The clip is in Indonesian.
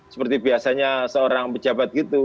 seperti biasanya seorang pejabat gitu